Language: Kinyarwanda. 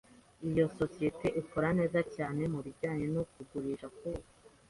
Iyo sosiyete ikora neza cyane mubijyanye no kugurisha kwose.